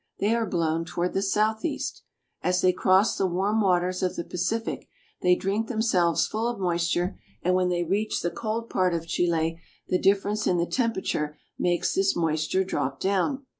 They are blown toward the south east. As they cross the warm waters of the Pacific they drink themselves full of moisture, and when they reach the cold part of Chile the difference in the temperature makes this moisture drop down.